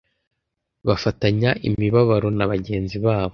bafatanya imibabaro na bagenzi babo